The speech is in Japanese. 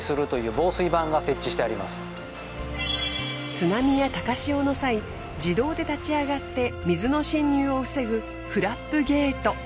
津波や高潮の際自動で立ち上がって水の侵入を防ぐフラップゲート。